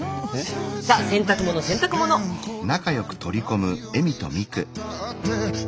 さあ洗濯物洗濯物！さ！